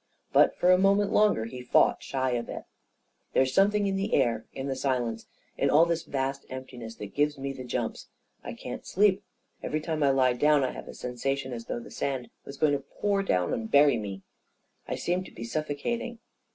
But for a moment longer he fought shy of it " There's something in the air — in the silence — in all this vast emptiness that gives me the jumps. I can't sleep. Every time I lie down, I have a sensa tion as though the sand was going to pour down on me and bury me. I seem to be suffocating."